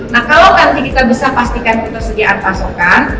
nah kalau nanti kita bisa pastikan ketersediaan pasokan